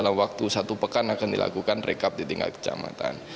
dalam waktu satu pekan akan dilakukan rekap di tingkat kecamatan